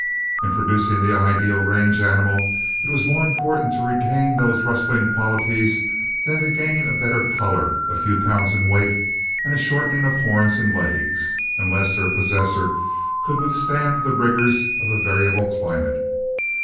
In producing the ideal range animal it was more important to retain those rustling qualities than to gain a better color, a few pounds in weight, and a shortening of horns and legs, unless their possessor could withstand the rigors of a variable climate.